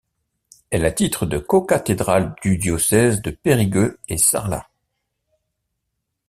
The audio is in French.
Elle a titre de cocathédrale du diocèse de Périgueux et Sarlat.